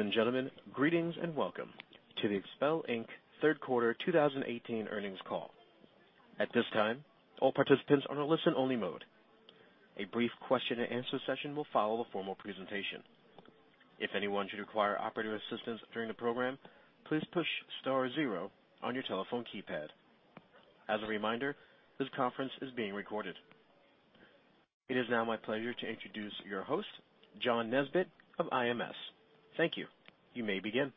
Ladies and gentlemen, greetings and welcome to the XPEL, Inc. third quarter 2018 earnings call. At this time, all participants are in a listen-only mode. A brief question and answer session will follow the formal presentation. If anyone should require operator assistance during the program, please push star zero on your telephone keypad. As a reminder, this conference is being recorded. It is now my pleasure to introduce your host, John Nesbett of IMS. Thank you. You may begin.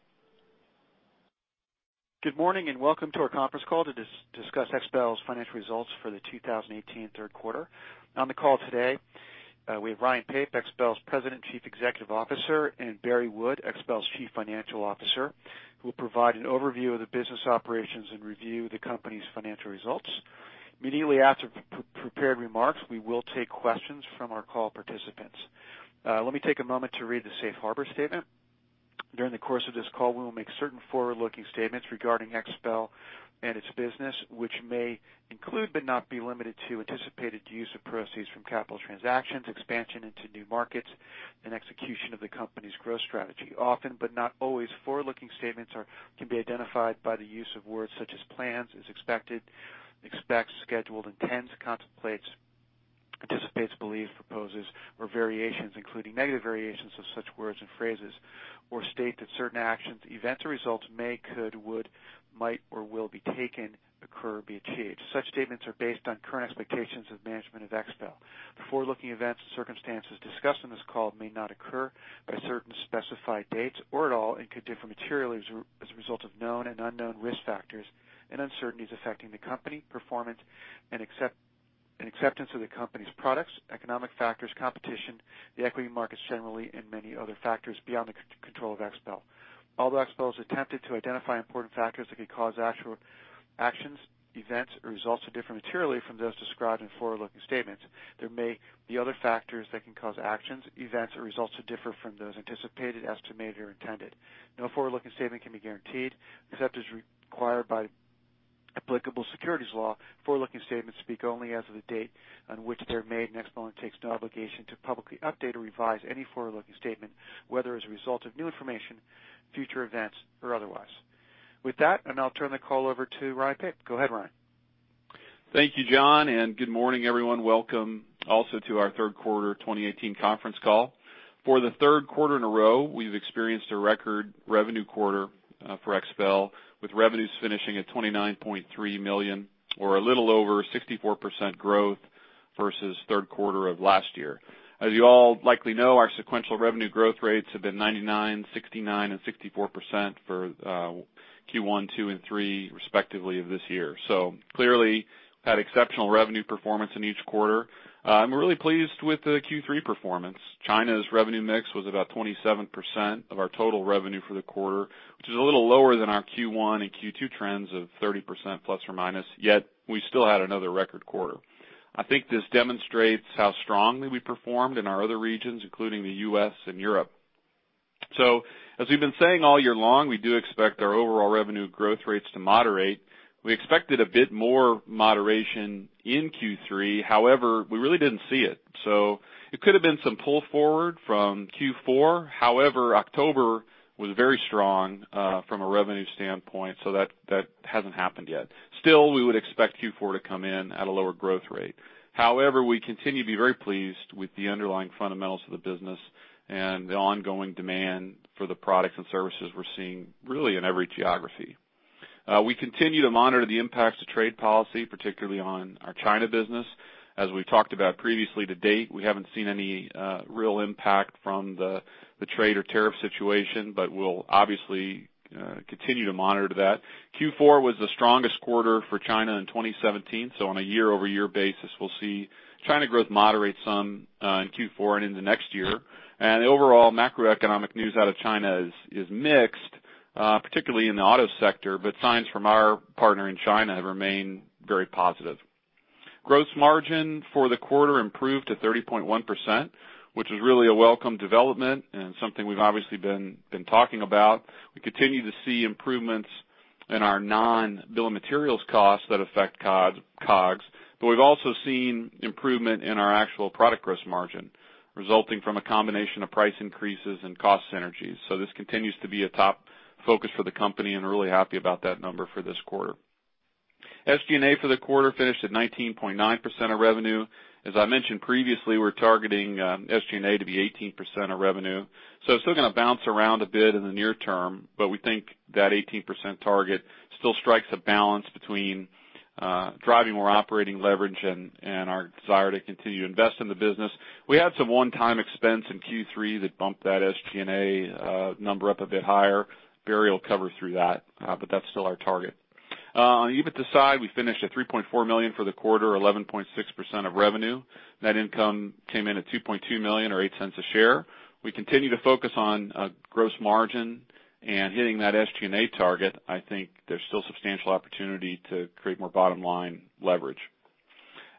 Good morning, and welcome to our conference call to discuss XPEL's financial results for the 2018 3rd quarter. On the call today, we have Ryan Pape, XPEL's President, Chief Executive Officer, and Barry Wood, XPEL's Chief Financial Officer, who will provide an overview of the business operations and review the company's financial results. Immediately after prepared remarks, we will take questions from our call participants. Let me take a moment to read the safe harbor statement. During the course of this call, we will make certain forward-looking statements regarding XPEL and its business, which may include, but not be limited to, anticipated use of proceeds from capital transactions, expansion into new markets, and execution of the company's growth strategy. Often, but not always, forward-looking statements can be identified by the use of words such as plans, as expected, expect, scheduled, intends, contemplates, anticipates, believe, proposes, or variations, including negative variations of such words or phrases or state that certain actions, events or results may, could, would, might, or will be taken occur, or be achieved. Such statements are based on current expectations of management of XPEL. The forward-looking events and circumstances discussed on this call may not occur by certain specified dates or at all and could differ materially as a result of known and unknown risk factors and uncertainties affecting the company, performance, and acceptance of the company's products, economic factors, competition, the equity markets generally, and many other factors beyond the control of XPEL. Although XPEL has attempted to identify important factors that could cause actual actions, events, or results to differ materially from those described in forward-looking statements, there may be other factors that can cause actions, events, or results to differ from those anticipated, estimated, or intended. No forward-looking statement can be guaranteed. Except as required by applicable securities law, forward-looking statements speak only as of the date on which they're made, and XPEL takes no obligation to publicly update or revise any forward-looking statement, whether as a result of new information, future events, or otherwise. With that, I'll turn the call over to Ryan Pape. Go ahead, Ryan. Thank you, John, and good morning, everyone. Welcome also to our third quarter 2018 conference call. For the third quarter in a row, we've experienced a record revenue quarter for XPEL, with revenues finishing at $29.3 million or a little over 64% growth versus third quarter of last year. As you all likely know, our sequential revenue growth rates have been 99%, 69% and 64% for Q1, Q2 and Q3, respectively of this year. Clearly had exceptional revenue performance in each quarter. I'm really pleased with the Q3 performance. China's revenue mix was about 27% of our total revenue for the quarter, which is a little lower than our Q1 and Q2 trends of 30%±, yet we still had another record quarter. I think this demonstrates how strongly we performed in our other regions, including the U.S. and Europe. As we've been saying all year long, we do expect our overall revenue growth rates to moderate. We expected a bit more moderation in Q3, however, we really didn't see it, so it could have been some pull-forward from Q4. However, October was very strong from a revenue standpoint, so that hasn't happened yet. Still, we would expect Q4 to come in at a lower growth rate. However, we continue to be very pleased with the underlying fundamentals of the business and the ongoing demand for the products and services we're seeing, really in every geography. We continue to monitor the impacts of trade policy, particularly on our China business. As we've talked about previously, to date, we haven't seen any real impact from the trade or tariff situation, but we'll obviously continue to monitor that. Q4 was the strongest quarter for China in 2017, so on a year-over-year basis, we'll see China's growth moderate some in Q4 and into next year. The overall macroeconomic news out of China is mixed, particularly in the auto sector, but signs from our partner in China have remained very positive. Gross margin for the quarter improved to 30.1%, which is really a welcome development and something we've obviously been talking about. We continue to see improvements in our non-bill of materials costs that affect COGS, but we've also seen improvement in our actual product gross margin resulting from a combination of price increases and cost synergies. This continues to be a top focus for the company and really happy about that number for this quarter. SG&A for the quarter finished at 19.9% of revenue. As I mentioned previously, we're targeting SG&A to be 18% of revenue, so it's still gonna bounce around a bit in the near term, but we think that 18% target still strikes a balance between driving more operating leverage and our desire to continue to invest in the business. We had some one-time expense in Q3 that bumped that SG&A number up a bit higher. Barry will cover through that, but that's still our target. On the EBITDA side, we finished at $3.4 million for the quarter, 11.6% of revenue. Net income came in at $2.2 million or $0.08 a share. We continue to focus on gross margin and hitting that SG&A target. I think there's still a substantial opportunity to create more bottom-line leverage.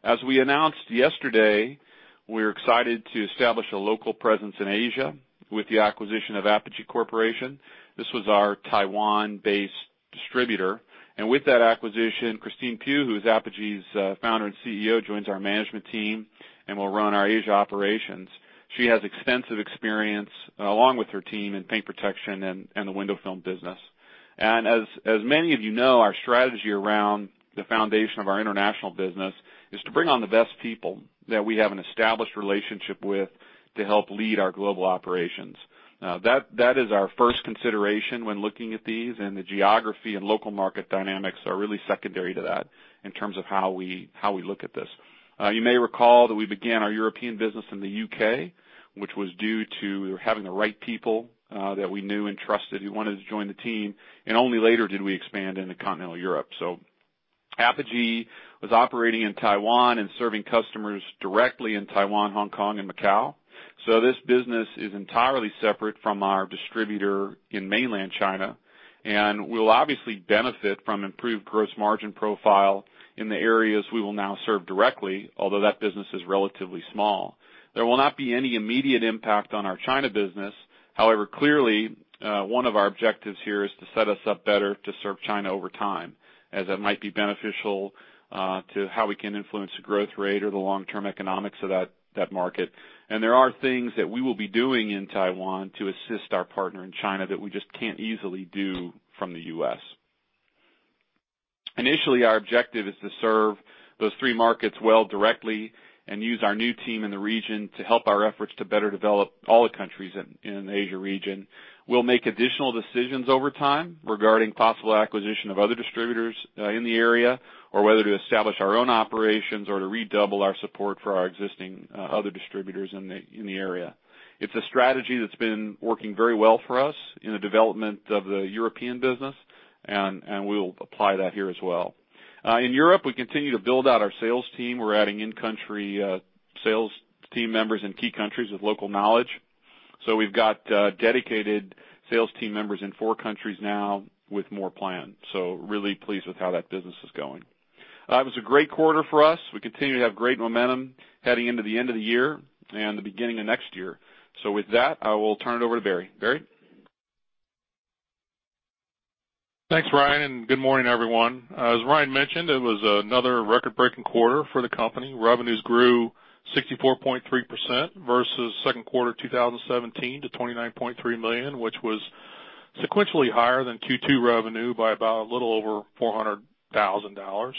As we announced yesterday, we're excited to establish a local presence in Asia with the acquisition of Apogee Corporation. This was our Taiwan-based distributor. With that acquisition, Christine Pu, who is Apogee's Founder and CEO, joins our management team and will run our Asia operations. She has extensive experience, along with her team, in paint protection and the window film business. As many of you know, our strategy around the foundation of our international business is to bring on the best people that we have an established relationship with to help lead our global operations. That, that is our first consideration when looking at these, and the geography and local market dynamics are really secondary to that in terms of how we, how we look at this. You may recall that we began our European business in the U.K., which was due to having the right people that we knew and trusted who wanted to join the team, and only later did we expand into Continental Europe. Apogee was operating in Taiwan and serving customers directly in Taiwan, Hong Kong, and Macau. This business is entirely separate from our distributor in mainland China, and we'll obviously benefit from an improved gross margin profile in the areas we will now serve directly, although that business is relatively small. There will not be any immediate impact on our China business. However, clearly, one of our objectives here is to set us up better to serve China over time, as it might be beneficial, to how we can influence the growth rate or the long-term economics of that market. There are things that we will be doing in Taiwan to assist our partner in China that we just can't easily do from the U.S. Initially, our objective is to serve those three markets well directly and use our new team in the region to help our efforts to better develop all the countries in the Asia region. We'll make additional decisions over time regarding possible acquisition of other distributors in the area or whether to establish our own operations or to redouble our support for our existing other distributors in the area. It's a strategy that's been working very well for us in the development of the European business, and we'll apply that here as well. In Europe, we continue to build out our sales team. We're adding in-country sales team members in key countries with local knowledge. We've got dedicated sales team members in four countries now with more planned. Really pleased with how that business is going. It was a great quarter for us. We continue to have great momentum heading into the end of the year and the beginning of next year. With that, I will turn it over to Barry. Barry? Thanks, Ryan, and good morning, everyone. As Ryan mentioned, it was another record-breaking quarter for the company. Revenues grew 64.3% versus second quarter 2017 to $29.3 million, which was sequentially higher than Q2 revenue by about a little over $400,000.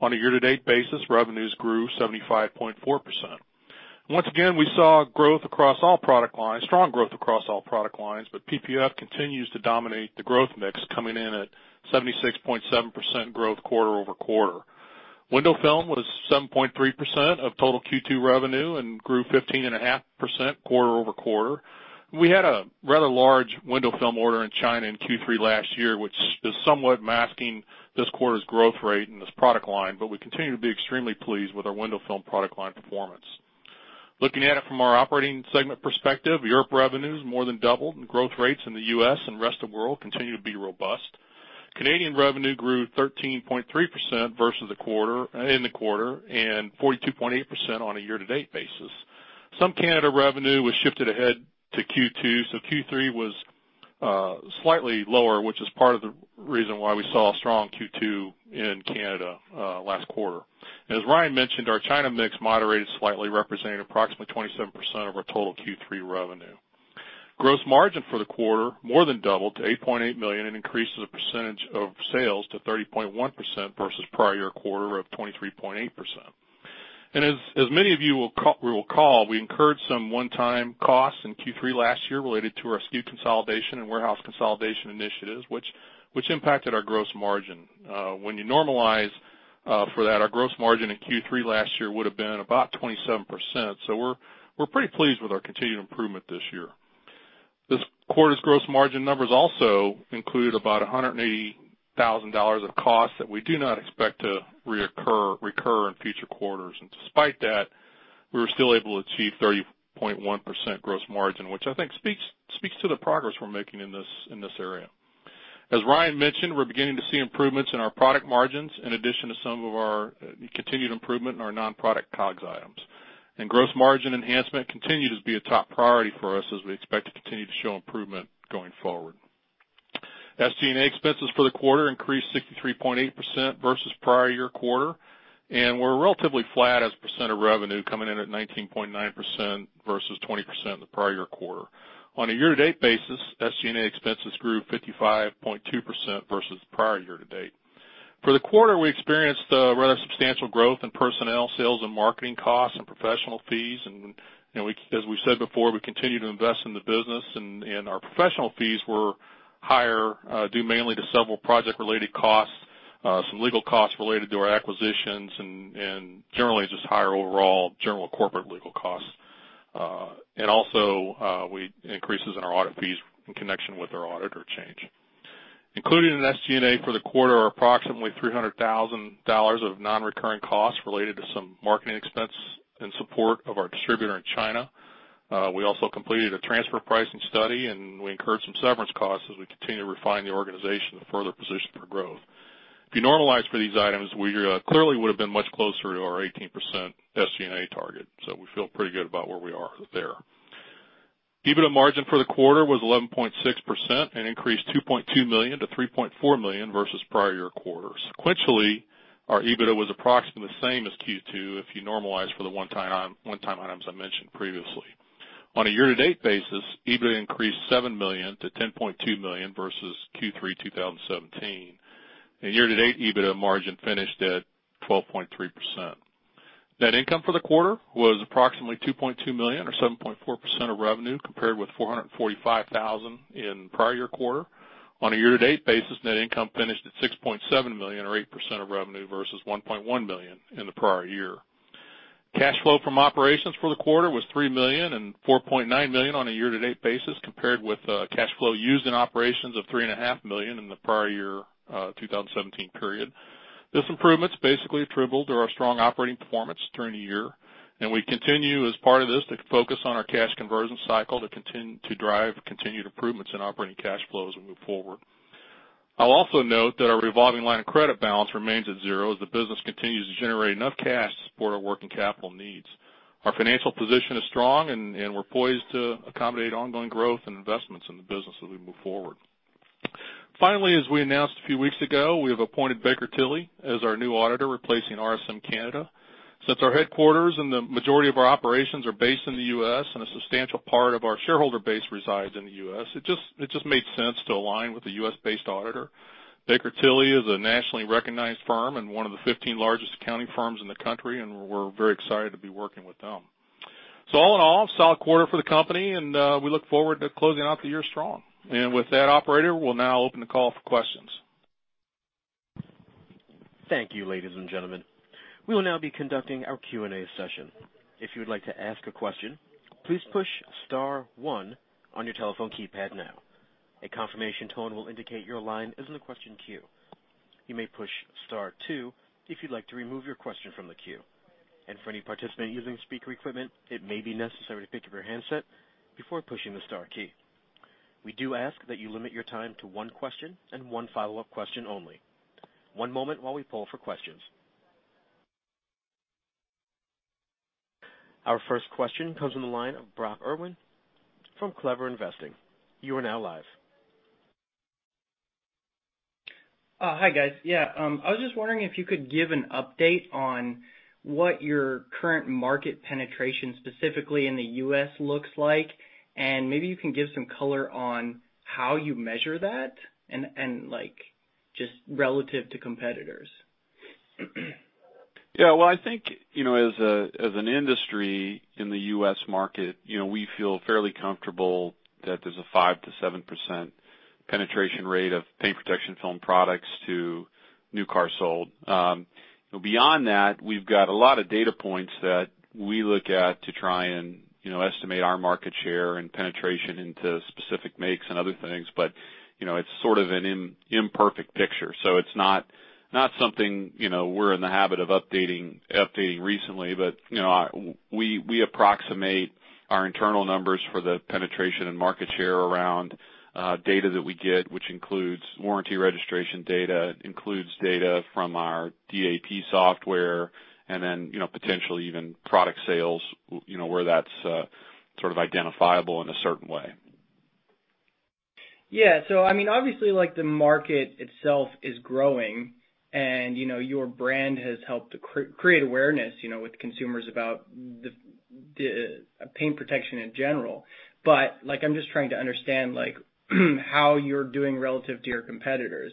On a year-to-date basis, revenues grew 75.4%. Once again, we saw strong growth across all product lines, but PPF continues to dominate the growth mix, coming in at 76.7% growth quarter-over-quarter. Window film was 7.3% of total Q2 revenue and grew 15.5% quarter-over-quarter. We had a rather large window film order in China in Q3 last year, which is somewhat masking this quarter's growth rate in this product line, but we continue to be extremely pleased with our window film product line performance. Looking at it from our operating segment perspective, Europe revenues more than doubled, and growth rates in the U.S. and rest of world continue to be robust. Canadian revenue grew 13.3% in the quarter, and 42.8% on a year-to-date basis. Some Canada revenue was shifted ahead to Q2, so Q3 was slightly lower, which is part of the reason why we saw a strong Q2 in Canada last quarter. As Ryan mentioned, our China mix moderated slightly, representing approximately 27% of our total Q3 revenue. Gross margin for the quarter more than doubled to $8.8 million and increases the percentage of sales to 30.1% versus prior year quarter of 23.8%. As many of you will recall, we incurred some one-time costs in Q3 last year related to our SKU consolidation and warehouse consolidation initiatives, which impacted our gross margin. When you normalize for that, our gross margin in Q3 last year would've been about 27%, so we're pretty pleased with our continued improvement this year. This quarter's gross margin numbers also include about $180,000 of costs that we do not expect to recur in future quarters. Despite that, we were still able to achieve 30.1% gross margin, which I think speaks to the progress we're making in this, in this area. As Ryan mentioned, we're beginning to see improvements in our product margins in addition to some of our continued improvement in our non-product COGS items. Gross margin enhancement continues to be a top priority for us as we expect to continue to show improvement going forward. SG&A expenses for the quarter increased 63.8% versus prior year quarter, and we're relatively flat as a percent of revenue coming in at 19.9% versus 20% in the prior year quarter. On a year-to-date basis, SG&A expenses grew 55.2% versus prior year-to-date. For the quarter, we experienced rather substantial growth in personnel, sales, and marketing costs and professional fees. You know, as we said before, we continue to invest in the business, and our professional fees were higher, due mainly to several project-related costs, some legal costs related to our acquisitions, and generally just higher overall general corporate legal costs. Also, increases in our audit fees in connection with our auditor change. Included in SG&A for the quarter are approximately $300,000 of non-recurring costs related to some marketing expense in support of our distributor in China. We also completed a transfer pricing study, and we incurred some severance costs as we continue to refine the organization to further position for growth. If you normalize for these items, we clearly would've been much closer to our 18% SG&A target, so we feel pretty good about where we are there. EBITDA margin for the quarter was 11.6% and increased $2.2 million-$3.4 million versus prior quarter. Sequentially, our EBITDA was approximately the same as Q2 if you normalize for the one-time items I mentioned previously. On a year-to-date basis, EBITDA increased $7 million-$10.2 million versus Q3 2017. Year-to-date EBITDA margin finished at 12.3%. Net income for the quarter was approximately $2.2 million or 7.4% of revenue, compared with $445,000 in prior year quarter. On a year-to-date basis, net income finished at $6.7 million or 8% of revenue versus $1.1 million in the prior year. Cash flow from operations for the quarter was $3 million and $4.9 million on a year-to-date basis, compared with cash flow used in operations of $3.5 million in the prior year 2017 period. This improvement is basically attributable to our strong operating performance during the year, and we continue, as part of this, to focus on our cash conversion cycle to drive continued improvements in operating cash flow as we move forward. I'll also note that our revolving line of credit balance remains at zero as the business continues to generate enough cash to support our working capital needs. Our financial position is strong and we're poised to accommodate ongoing growth and investments in the business as we move forward. As we announced a few weeks ago, we have appointed Baker Tilly as our new auditor, replacing RSM Canada. Since our headquarters and the majority of our operations are based in the U.S. and a substantial part of our shareholder base resides in the U.S., it just made sense to align with the U.S.-based auditor. Baker Tilly is a nationally recognized firm and one of the 15 largest accounting firms in the country. We're very excited to be working with them. All in all, solid quarter for the company, and we look forward to closing out the year strong. With that, operator, we'll now open the call for questions. Thank you, ladies and gentlemen. We will now be conducting our Q&A session. If you would like to ask a question, please push star one on your telephone keypad now. A confirmation tone will indicate your line is in the question queue. You may push star two if you'd like to remove your question from the queue. For any participant using speaker equipment, it may be necessary to pick up your handset before pushing the star key. We do ask that you limit your time to one question and one follow-up question only. One moment while we poll for questions. Our first question comes on the line of Brock Erwin from CleverInvesting. You are now live. Hi, guys. Yeah, I was just wondering if you could give an update on what your current market penetration, specifically in the U.S., looks like. Maybe you can give some color on how you measure that and, like, just relative to competitors. I think, you know, as an industry in the U.S. market, you know, we feel fairly comfortable that there's a 5%-7% penetration rate of paint protection film products to new cars sold. Beyond that, we've got a lot of data points that we look at to try and, you know, estimate our market share and penetration into specific makes and other things. You know, it's sort of an imperfect picture. It's not something, you know, we're in the habit of updating recently. You know, we approximate our internal numbers for the penetration and market share around data that we get, which includes warranty registration data. It includes data from our DAP software and then, you know, potentially even product sales, you know, where that's sort of identifiable in a certain way. I mean, obviously, like, the market itself is growing and, you know, your brand has helped to create awareness, you know, with consumers about the paint protection in general. Like, I'm just trying to understand, like, how you're doing relative to your competitors.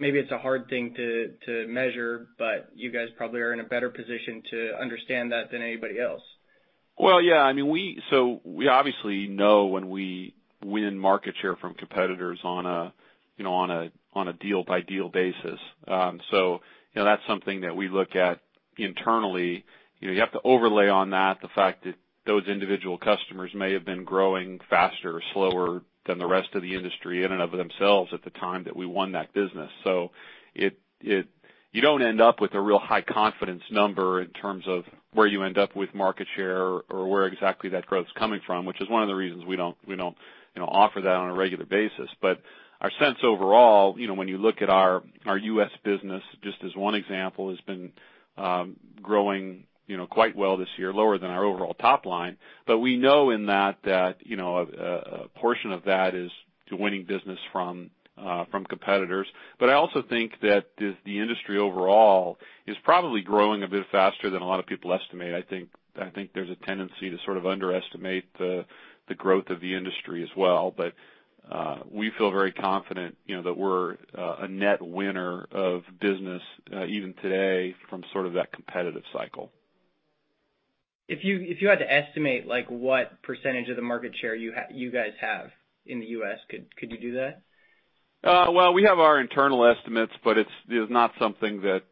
Maybe it's a hard thing to measure, but you guys probably are in a better position to understand that than anybody else. Well, yeah, I mean, we obviously know when we win market share from competitors on a, you know, on a, on a deal-by-deal basis. You know, that's something that we look at internally. You know, you have to overlay on that the fact that those individual customers may have been growing faster or slower than the rest of the industry in and of themselves at the time that we won that business. You don't end up with a real high confidence number in terms of where you end up with market share or where exactly that growth's coming from, which is one of the reasons we don't, you know, offer that on a regular basis. Our sense overall, you know, when you look at our U.S. business, just as one example, has been growing, you know, quite well this year. Lower than our overall top line, but we know in that, you know, a portion of that is to winning business from competitors. I also think that the industry overall is probably growing a bit faster than a lot of people estimate. I think there's a tendency to sort of underestimate the growth of the industry as well. We feel very confident, you know, that we're a net winner of business even today from sort of that competitive cycle. If you had to estimate, like, what percentage of the market share you guys have in the U.S., could you do that? Well, we have our internal estimates, but it's not something that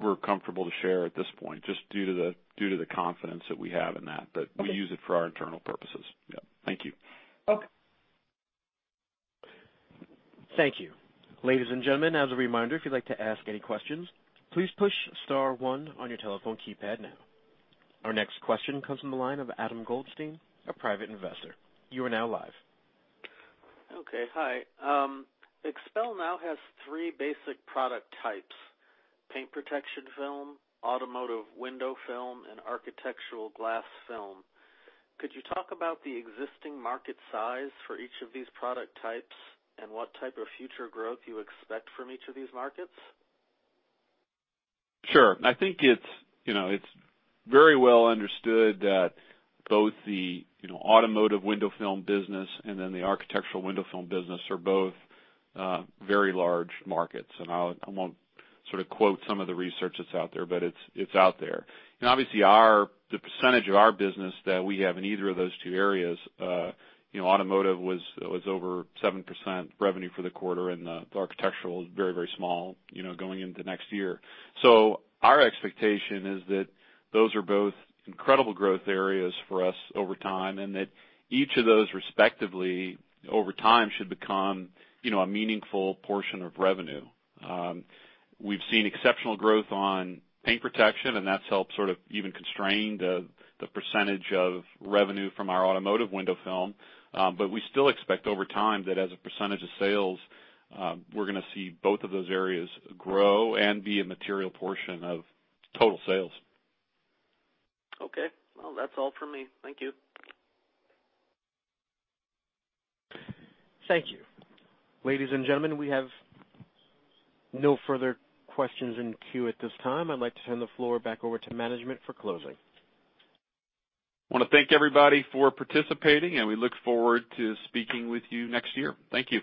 we're comfortable to share at this point, just due to the confidence that we have in that. Okay. We use it for our internal purposes. Yeah. Thank you. Okay. Thank you. Ladies and gentlemen, as a reminder, if you'd like to ask any questions, please push star one on your telephone keypad now. Our next question comes from the line of Adam Goldstein, a Private Investor. You are now live. Okay. Hi. XPEL now has three basic product types, paint protection film, automotive window film, and architectural window film. Could you talk about the existing market size for each of these product types and what type of future growth you expect from each of these markets? Sure. I think it's, you know, it's very well understood that both the, you know, automotive window film business and the architectural window film business are both very large markets. I won't sort of quote some of the research that's out there, but it's out there. Obviously, the percentage of our business that we have in either of those two areas, you know, automotive was over 7% revenue for the quarter, and the architectural is very, very small, you know, going into next year. Our expectation is that those are both incredible growth areas for us over time, and that each of those, respectively, over time should become, you know, a meaningful portion of revenue. We've seen exceptional growth on paint protection, that's helped sort of even constrain the percentage of revenue from our automotive window film. We still expect over time that as a percentage of sales, we're gonna see both of those areas grow and be a material portion of total sales. Okay. Well, that's all for me. Thank you. Thank you. Ladies and gentlemen, we have no further questions in queue at this time. I'd like to turn the floor back over to management for closing. I wanna thank everybody for participating. We look forward to speaking with you next year. Thank you.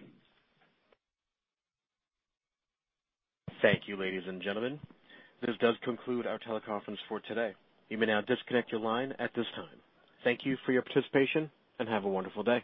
Thank you, ladies and gentlemen. This does conclude our teleconference for today. You may now disconnect your line at this time. Thank you for your participation and have a wonderful day.